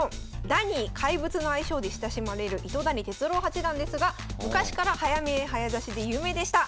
「ダニー」「怪物」の愛称で親しまれる糸谷哲郎八段ですが昔から早見え早指しで有名でした。